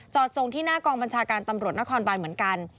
ส่งที่หน้ากองบัญชาการตำรวจนครบานเหมือนกัน